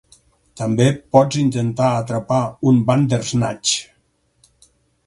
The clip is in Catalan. També pots intentar atrapar un Bandersnatch!